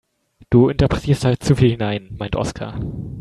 Du interpretierst da zu viel hinein, meint Oskar.